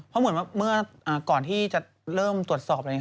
เพราะเหมือนเมื่อก่อนที่จะเริ่มตรวจสอบอะไรอย่างนี้